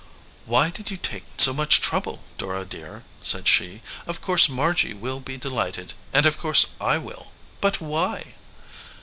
"Why did you take so much trouble, Dora dear?" said she. "Of course Margy will be de lighted, and of course I w r ill, but why?"